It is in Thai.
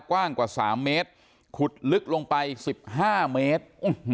กว้างกว่า๓เมตรขุดลึกลงไป๑๕เมตร